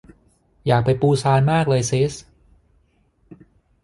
อยากไปปูซานมากเลยซิส